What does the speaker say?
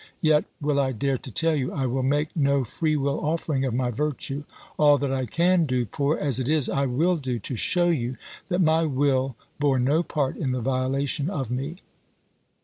Yet, will I dare to tell you, I will make no free will offering of my virtue. All that I can do, poor as it is, I will do, to shew you, that my will bore no part in the violation of me.'